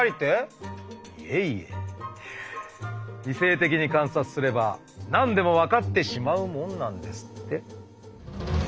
いえいえ理性的に観察すれば何でも分かってしまうもんなんですって。